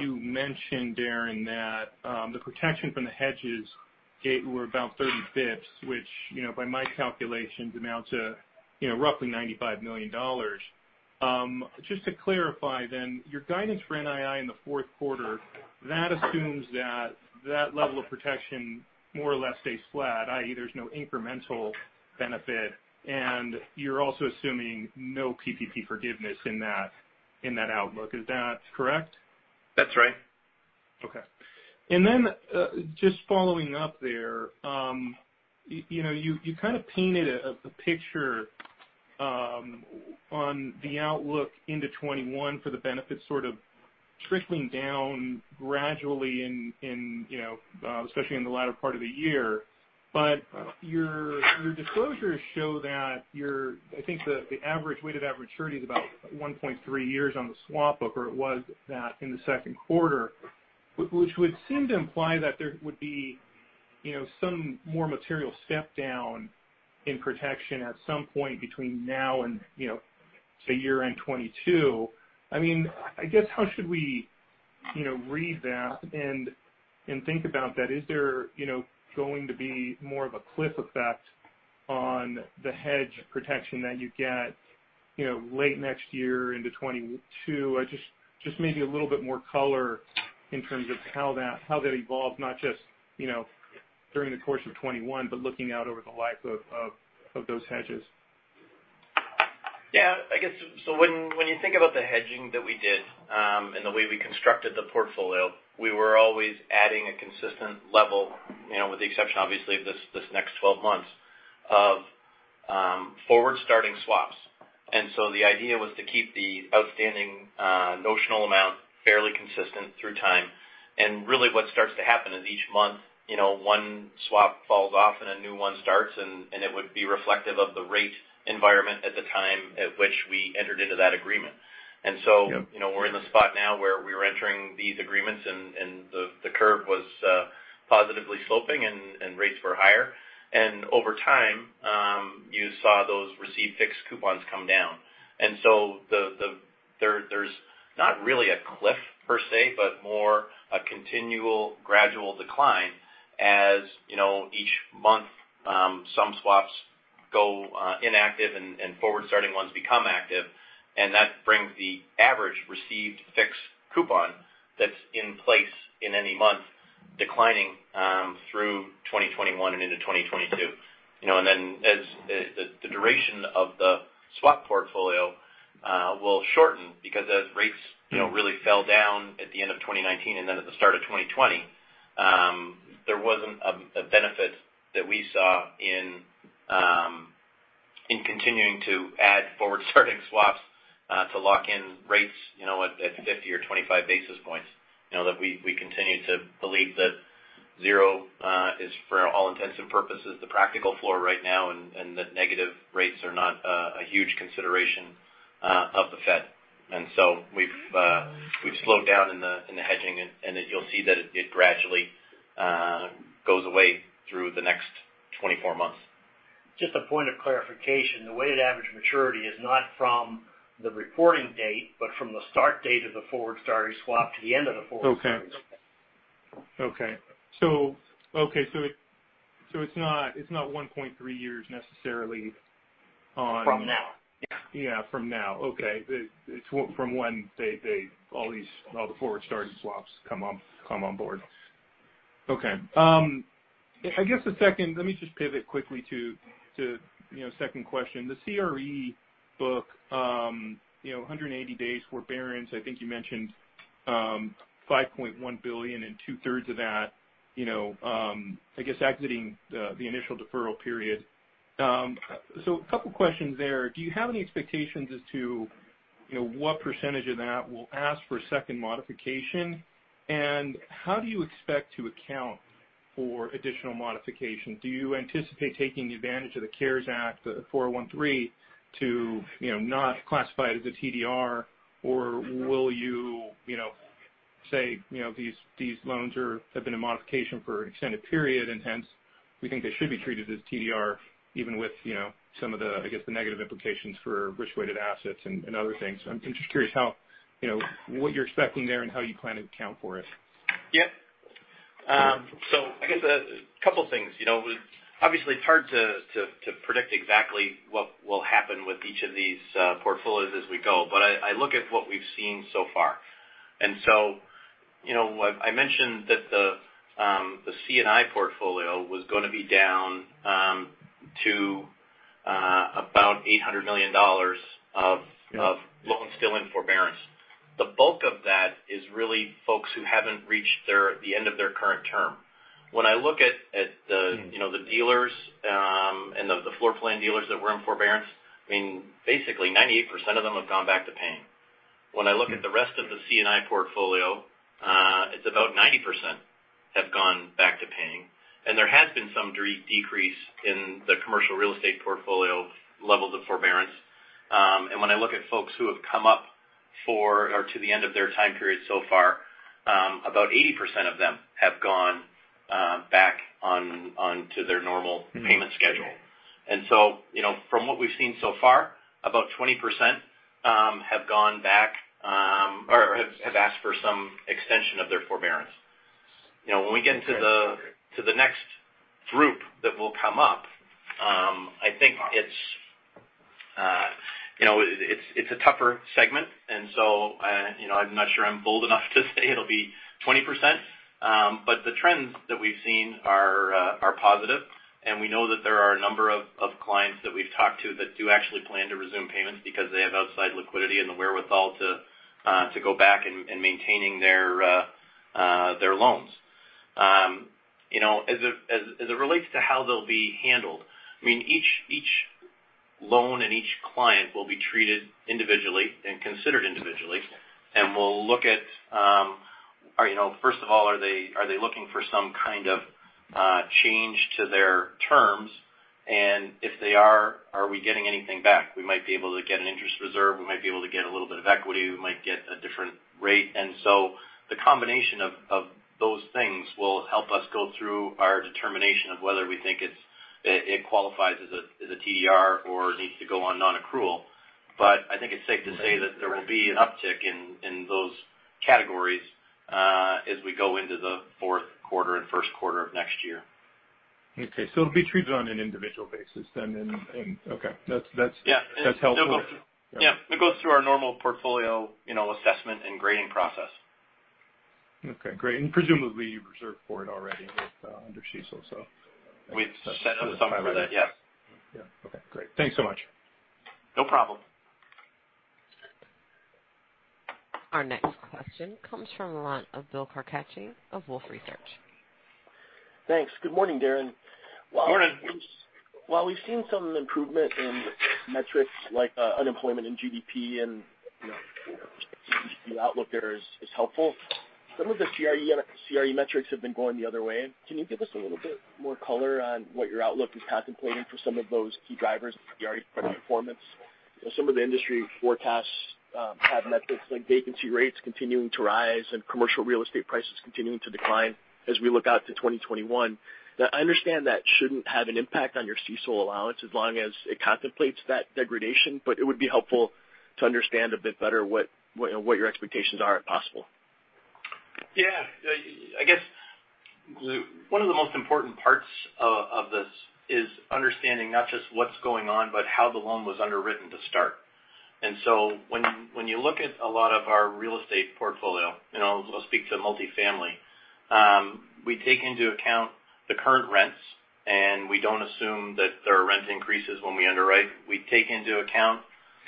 you mentioned, Darren, that the protection from the hedges were about 30 basis points, which by my calculations amount to roughly $95 million. Just to clarify then, your guidance for NII in the fourth quarter, that assumes that that level of protection more or less stays flat, i.e., there's no incremental benefit, and you're also assuming no PPP forgiveness in that outlook. Is that correct? That's right. Okay. Just following up there. You kind of painted a picture on the outlook into 2021 for the benefits sort of trickling down gradually, especially in the latter part of the year. Your disclosures show that I think the average weighted average maturity is about 1.3 years on the swap book, or it was that in the second quarter. Which would seem to imply that there would be some more material step down in protection at some point between now and, say, year-end 2022. I guess, how should we read that and think about that? Is there going to be more of a cliff effect on the hedge protection that you get late next year into 2022? Just maybe a little bit more color in terms of how that evolves, not just during the course of 2021, but looking out over the life of those hedges. Yeah. I guess, when you think about the hedging that we did and the way we constructed the portfolio, we were always adding a consistent level, with the exception, obviously, of this next 12 months of forward starting swaps. The idea was to keep the outstanding notional amount fairly consistent through time. Really what starts to happen is each month, one swap falls off and a new one starts, and it would be reflective of the rate environment at the time at which we entered into that agreement. Yep. We're in the spot now where we were entering these agreements and the curve was positively sloping and rates were higher. Over time, you saw those received fixed coupons come down. There's not really a cliff per se, but more a continual gradual decline. As each month some swaps go inactive and forward starting ones become active. That brings the average received fixed coupon that's in place in any month declining through 2021 and into 2022. As the duration of the swap portfolio will shorten because as rates really fell down at the end of 2019 and then at the start of 2020, there wasn't a benefit that we saw in continuing to add forward starting swaps to lock in rates at 50 or 25 basis points. That we continue to believe that zero is, for all intents and purposes, the practical floor right now, and that negative rates are not a huge consideration of the Fed. We've slowed down in the hedging, and you'll see that it gradually goes away through the next 24 months. Just a point of clarification. The weighted average maturity is not from the reporting date, but from the start date of the forward starting swap to the end of the forward starting swap. Okay. It's not 1.3 years necessarily. From now. Yeah. From now. Okay. It's from when all the forward starting swaps come on board. Okay. I guess, let me just pivot quickly to second question. The CRE book 180 days forbearance, I think you mentioned $5.1 billion and 2/3 of that I guess exiting the initial deferral period. A couple questions there. Do you have any expectations as to what % of that we'll ask for a second modification, and how do you expect to account for additional modification? Do you anticipate taking advantage of the CARES Act 4013 to not classify it as a TDR? Will you say these loans have been a modification for an extended period, and hence we think they should be treated as TDR even with some of the, I guess, the negative implications for risk-weighted assets and other things? I'm just curious what you're expecting there and how you plan to account for it? Yeah. I guess a couple things. Obviously it's hard to predict exactly what will happen with each of these portfolios as we go, but I look at what we've seen so far. I mentioned that the C&I portfolio was going to be down to about $800 million of loans still in forbearance. The bulk of that is really folks who haven't reached the end of their current term. When I look at the dealers and the floor plan dealers that were in forbearance, basically 98% of them have gone back to paying. When I look at the rest of the C&I portfolio, it's about 90% have gone back to paying, and there has been some decrease in the commercial real estate portfolio levels of forbearance. When I look at folks who have come up to the end of their time period so far, about 80% of them have gone back onto their normal payment schedule. From what we've seen so far, about 20% have gone back or have asked for some extension of their forbearance. When we get to the next group that will come up, I think it's a tougher segment, and so I'm not sure I'm bold enough to say it'll be 20%. The trends that we've seen are positive, and we know that there are a number of clients that we've talked to that do actually plan to resume payments because they have outside liquidity and the wherewithal to go back and maintaining their loans. As it relates to how they'll be handled, each loan and each client will be treated individually and considered individually. We'll look at, first of all, are they looking for some kind of change to their terms? If they are we getting anything back? We might be able to get an interest reserve. We might be able to get a little bit of equity. We might get a different rate. The combination of those things will help us go through our determination of whether we think it qualifies as a TDR or needs to go on non-accrual. I think it's safe to say that there will be an uptick in those categories as we go into the fourth quarter and first quarter of next year. Okay. It'll be treated on an individual basis then. Okay. That's helpful. Yeah. It goes through our normal portfolio assessment and grading process. Okay, great. Presumably you reserved for it already under CECL. We've set aside some for that, yes. Yeah. Okay, great. Thanks so much. No problem. Our next question comes from the line of Bill Carcache of Wolfe Research. Thanks. Good morning, Darren. Morning. While we've seen some improvement in metrics like unemployment and GDP, and the outlook there is helpful, some of the CRE metrics have been going the other way. Can you give us a little bit more color on what your outlook is contemplating for some of those key drivers of CRE credit performance? Some of the industry forecasts have metrics like vacancy rates continuing to rise and commercial real estate prices continuing to decline as we look out to 2021. Now, I understand that shouldn't have an impact on your CECL allowance as long as it contemplates that degradation, but it would be helpful to understand a bit better what your expectations are, if possible. Yeah. I guess one of the most important parts of this is understanding not just what's going on, but how the loan was underwritten to start. When you look at a lot of our real estate portfolio, and I'll speak to multifamily, we take into account the current rents, and we don't assume that there are rent increases when we underwrite. We take into account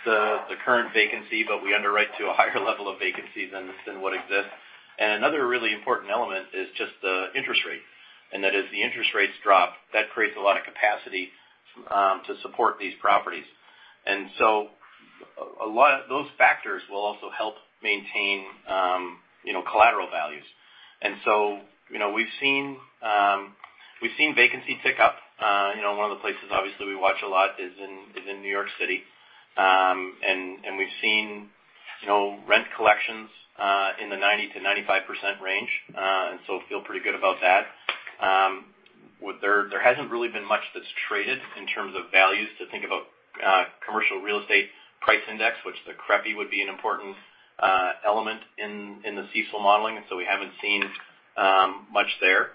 the current vacancy, but we underwrite to a higher level of vacancy than what exists. Another really important element is just the interest rate, and that as the interest rates drop, that creates a lot of capacity to support these properties. Those factors will also help maintain collateral values. We've seen vacancy tick up. One of the places obviously we watch a lot is in New York City. We've seen rent collections in the 90%-95% range, feel pretty good about that. There hasn't really been much that's traded in terms of values to think about Commercial Real Estate Price Index, which the CREPI would be an important element in the CECL modeling, we haven't seen much there.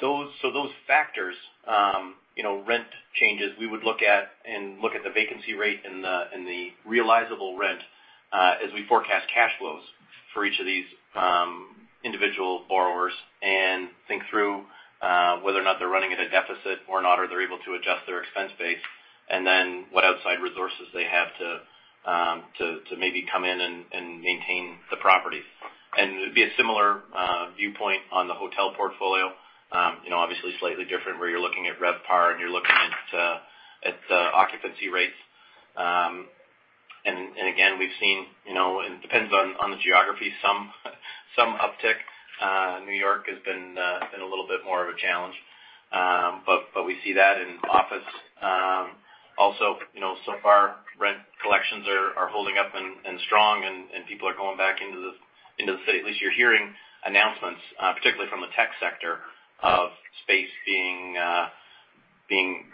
Those factors, rent changes we would look at and look at the vacancy rate and the realizable rent as we forecast cash flows for each of these individual borrowers and think through whether or not they're running at a deficit or not, or they're able to adjust their expense base, what outside resources they have to maybe come in and maintain the properties. It'd be a similar viewpoint on the hotel portfolio. Obviously slightly different where you're looking at RevPAR and you're looking at the occupancy rates. Again, we've seen, and it depends on the geography, some uptick. New York has been a little bit more of a challenge. We see that in office. Also, so far rent collections are holding up and strong and people are going back into the city. At least you're hearing announcements, particularly from the tech sector of space being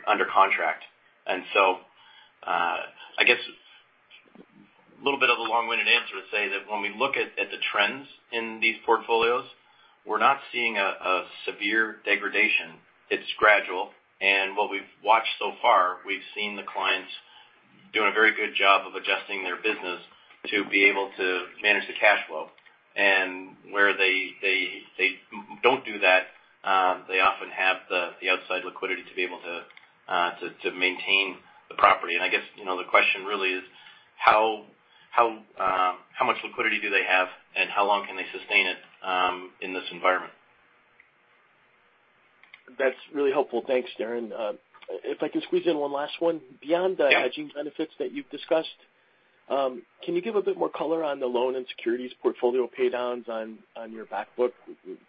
under contract. I guess a little bit of a long-winded answer to say that when we look at the trends in these portfolios, we're not seeing a severe degradation. It's gradual. What we've watched so far, we've seen the clients doing a very good job of adjusting their business to be able to manage the cash flow. Where they don't do that, they often have the outside liquidity to be able to maintain the property. I guess the question really is how much liquidity do they have and how long can they sustain it in this environment? That's really helpful. Thanks, Darren. If I could squeeze in one last one. Yeah. Beyond the hedging benefits that you've discussed, can you give a bit more color on the loan and securities portfolio paydowns on your back book,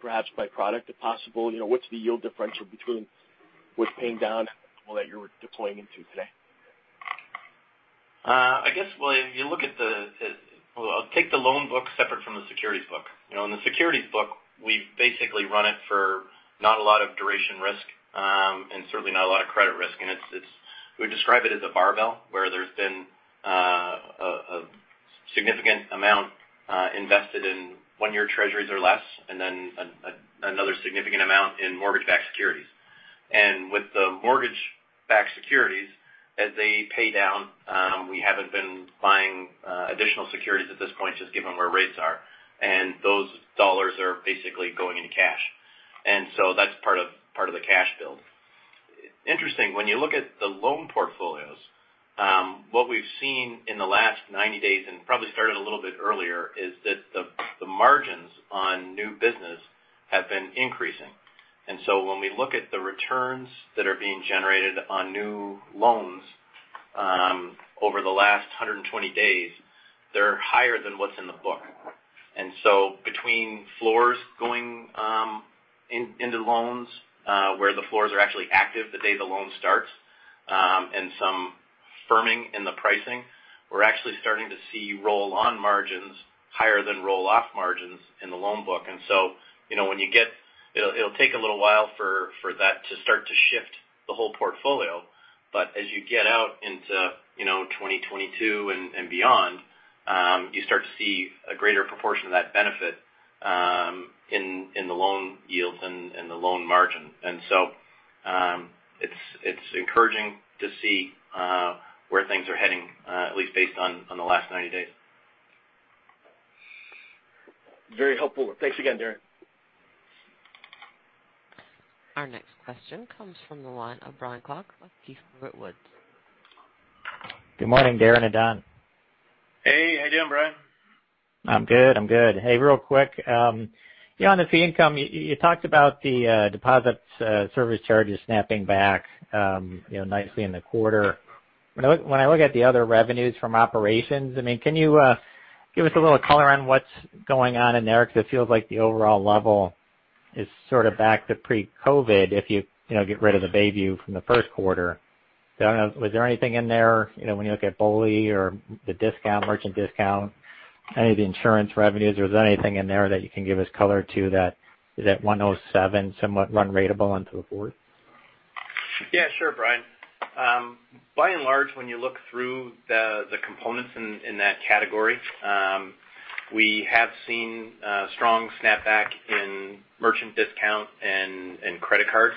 perhaps by product, if possible? What's the yield differential between what's paying down and what you're deploying into today? I guess, well, I'll take the loan book separate from the securities book. In the securities book, we've basically run it for not a lot of duration risk, and certainly not a lot of credit risk. We describe it as a barbell, where there's been a significant amount invested in one-year Treasuries or less, and then another significant amount in mortgage-backed securities. With the mortgage-backed securities, as they pay down, we haven't been buying additional securities at this point, just given where rates are. Those dollars are basically going into cash. That's part of the cash build. Interesting, when you look at the loan portfolios, what we've seen in the last 90 days, and probably started a little bit earlier, is that the margins on new business have been increasing. When we look at the returns that are being generated on new loans over the last 120 days, they're higher than what's in the book. Between floors going into loans where the floors are actually active the day the loan starts, and some firming in the pricing, we're actually starting to see roll-on margins higher than roll-off margins in the loan book. It'll take a little while for that to start to shift the whole portfolio. As you get out into 2022 and beyond, you start to see a greater proportion of that benefit in the loan yields and the loan margin. It's encouraging to see where things are heading, at least based on the last 90 days. Very helpful. Thanks again, Darren. Our next question comes from the line of Brian Klock of Keefe, Bruyette & Woods. Good morning, Darren and Don. Hey, how you doing, Brian? I'm good. Hey, real quick. On the fee income, you talked about the deposits service charges snapping back nicely in the quarter. When I look at the other revenues from operations, can you give us a little color on what's going on in there? It feels like the overall level is sort of back to pre-COVID if you get rid of the Bayview from the first quarter. I don't know, was there anything in there when you look at BOLI or the merchant discount, any of the insurance revenues? Was there anything in there that you can give us color to that 107 somewhat run ratable into the fourth? Yeah, sure, Brian. By and large, when you look through the components in that category, we have seen a strong snap back in merchant discount and credit cards.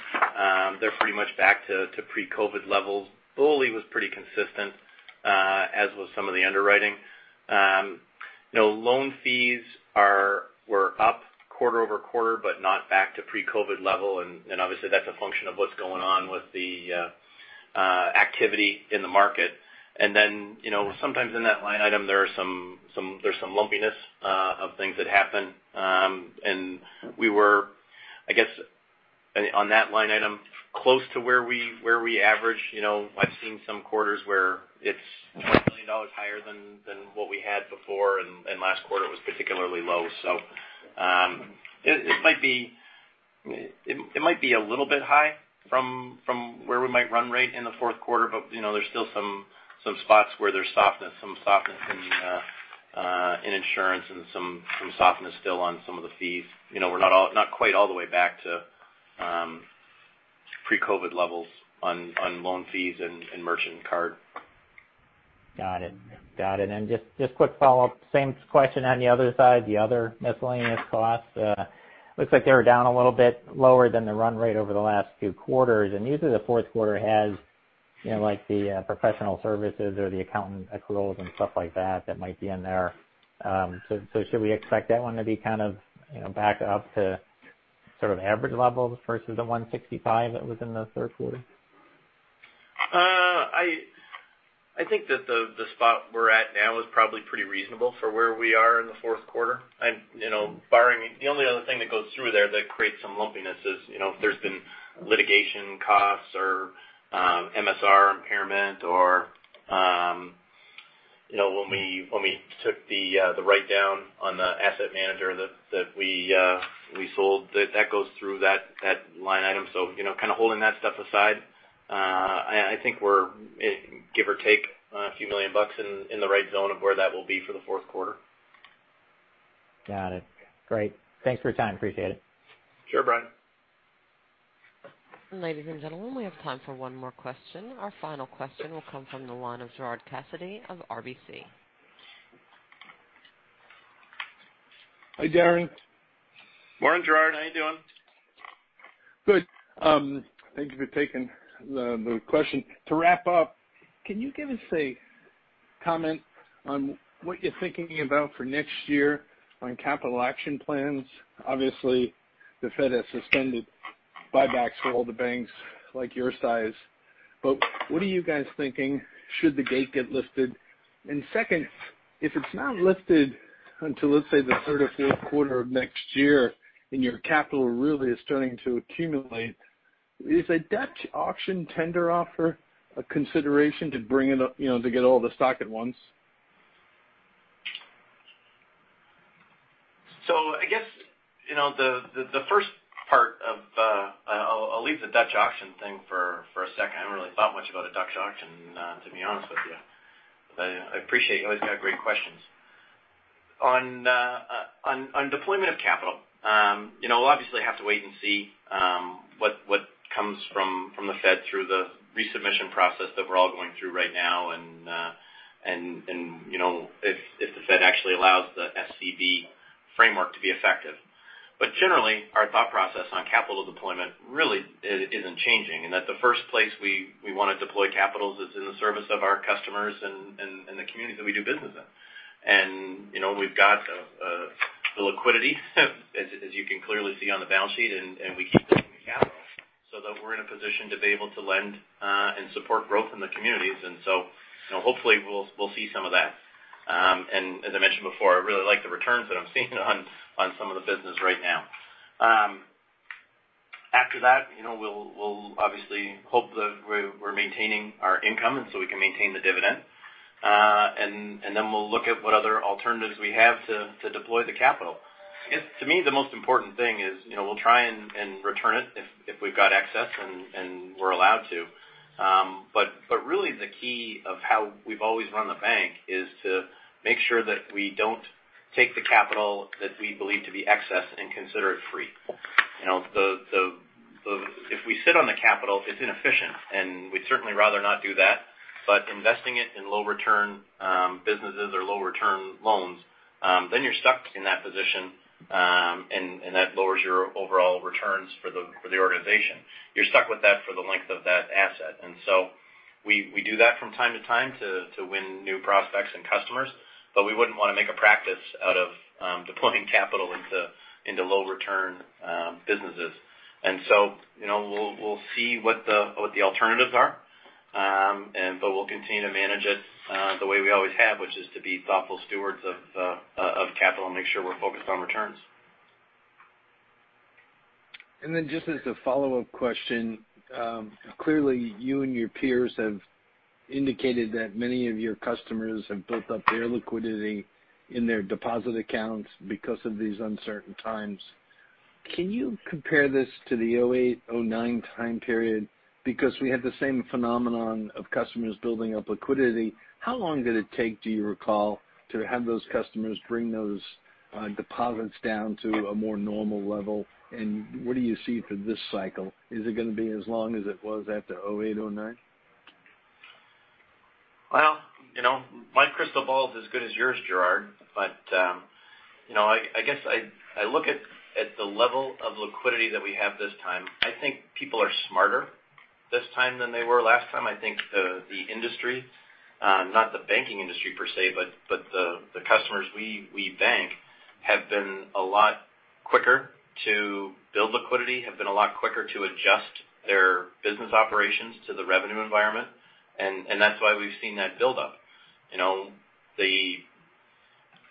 They're pretty much back to pre-COVID levels. BOLI was pretty consistent, as was some of the underwriting. Loan fees were up quarter-over-quarter, but not back to pre-COVID level. Obviously that's a function of what's going on with the activity in the market. Sometimes in that line item, there's some lumpiness of things that happen. We were, I guess on that line item, close to where we average. I've seen some quarters where it's $1 million higher than what we had before, and last quarter was particularly low. It might be a little bit high from where we might run rate in the fourth quarter. There's still some spots where there's softness in insurance and some softness still on some of the fees. We're not quite all the way back to pre-COVID levels on loan fees and merchant card. Got it. Just quick follow-up. Same question on the other side, the other miscellaneous costs. Looks like they were down a little bit lower than the run rate over the last few quarters. Usually the fourth quarter has the professional services or the accountant accruals and stuff like that that might be in there. Should we expect that one to be kind of back up to sort of average levels versus the $165 that was in the third quarter? I think that the spot we're at now is probably pretty reasonable for where we are in the fourth quarter. The only other thing that goes through there that creates some lumpiness is if there's been litigation costs or MSR impairment or when we took the write-down on the asset manager that we sold. That goes through that line item. Kind of holding that stuff aside, I think we're give or take a few million bucks in the right zone of where that will be for the fourth quarter. Got it. Great. Thanks for your time. Appreciate it. Sure, Brian. Ladies and gentlemen, we have time for one more question. Our final question will come from the line of Gerard Cassidy of RBC Hi, Darren. Morning, Gerard. How you doing? Good. Thank you for taking the question. To wrap up, can you give us a comment on what you're thinking about for next year on capital action plans? Obviously, the Fed has suspended buybacks for all the banks like your size. What are you guys thinking should the gate get lifted? Second, if it's not lifted until, let's say, the third or fourth quarter of next year and your capital really is starting to accumulate, is a Dutch auction tender offer a consideration to get all the stock at once? I guess the first part of I'll leave the Dutch auction thing for a second. I haven't really thought much about a Dutch auction, to be honest with you. I appreciate you always got great questions. On deployment of capital, we'll obviously have to wait and see what comes from the Fed through the resubmission process that we're all going through right now, and if the Fed actually allows the SCB framework to be effective. Generally, our thought process on capital deployment really isn't changing, and that the first place we want to deploy capital is in the service of our customers and the communities that we do business in. We've got the liquidity, as you can clearly see on the balance sheet, and we keep deploying the capital so that we're in a position to be able to lend and support growth in the communities. Hopefully we'll see some of that. As I mentioned before, I really like the returns that I'm seeing on some of the business right now. After that, we'll obviously hope that we're maintaining our income, and so we can maintain the dividend. Then we'll look at what other alternatives we have to deploy the capital. I guess, to me, the most important thing is, we'll try and return it if we've got excess and we're allowed to. Really, the key of how we've always run the bank is to make sure that we don't take the capital that we believe to be excess and consider it free. If we sit on the capital, it's inefficient, and we'd certainly rather not do that. Investing it in low return businesses or low return loans, then you're stuck in that position, and that lowers your overall returns for the organization. You're stuck with that for the length of that asset. We do that from time to time to win new prospects and customers. We wouldn't want to make a practice out of deploying capital into low return businesses. We'll see what the alternatives are. We'll continue to manage it the way we always have, which is to be thoughtful stewards of capital and make sure we're focused on returns. Just as a follow-up question. Clearly, you and your peers have indicated that many of your customers have built up their liquidity in their deposit accounts because of these uncertain times. Can you compare this to the 2008, 2009 time period? We had the same phenomenon of customers building up liquidity. How long did it take, do you recall, to have those customers bring those deposits down to a more normal level? What do you see for this cycle? Is it going to be as long as it was after 2008, 2009? Well, my crystal ball is as good as yours, Gerard. I guess I look at the level of liquidity that we have this time. I think people are smarter this time than they were last time. I think the industry, not the banking industry per se, but the customers we bank have been a lot quicker to build liquidity, have been a lot quicker to adjust their business operations to the revenue environment. That's why we've seen that buildup.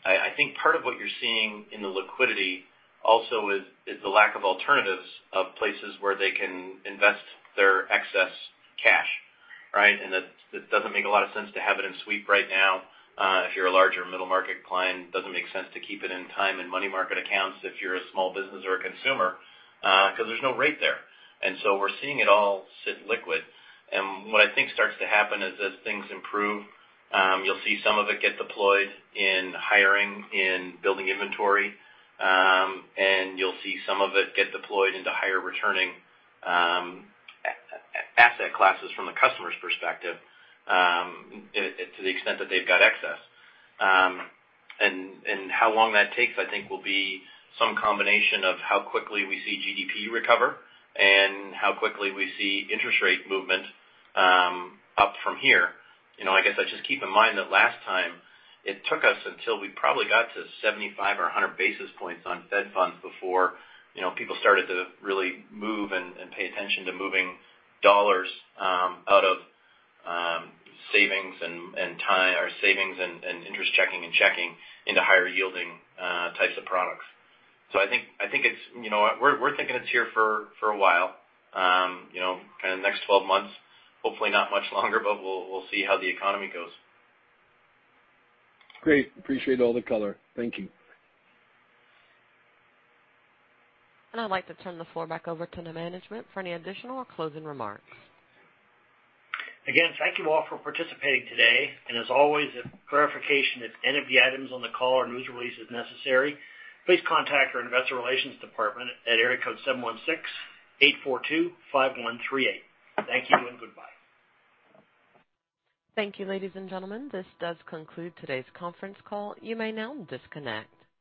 I think part of what you're seeing in the liquidity also is the lack of alternatives of places where they can invest their excess cash. Right? It doesn't make a lot of sense to have it in sweep right now if you're a larger middle market client. It doesn't make sense to keep it in time and money market accounts if you're a small business or a consumer, because there's no rate there. We're seeing it all sit liquid. What I think starts to happen is as things improve, you'll see some of it get deployed in hiring, in building inventory. You'll see some of it get deployed into higher returning asset classes from the customer's perspective to the extent that they've got excess. How long that takes, I think, will be some combination of how quickly we see GDP recover and how quickly we see interest rate movement up from here. I guess I just keep in mind that last time, it took us until we probably got to 75 or 100 basis points on Fed funds before people started to really move and pay attention to moving dollars out of savings and interest checking and checking into higher yielding types of products. We're thinking it's here for a while, kind of next 12 months. Hopefully not much longer, but we'll see how the economy goes. Great. Appreciate all the color. Thank you. I'd like to turn the floor back over to the management for any additional or closing remarks. Again, thank you all for participating today. As always, if clarification at any of the items on the call or news release is necessary, please contact our investor relations department at area code 716-842-5138. Thank you and goodbye. Thank you, ladies and gentlemen. This does conclude today's conference call. You may now disconnect.